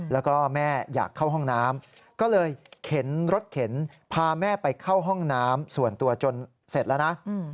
แล้วก็แม่อยากเข้าห้องน้ำก็เลยเข็นรถเข็นพาแม่ไปเข้าห้องน้ำส่วนตัวจนเสร็จแล้วนะ